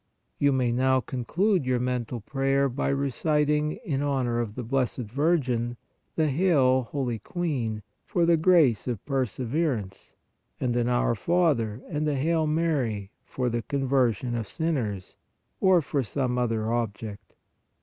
You may now conclude your mental prayer by reciting in honor of the Blessed Virgin the Hail, holy Queen for the grace of per severance and an Our Father and a Hail Mary for the conversion of sinners, or for some other object.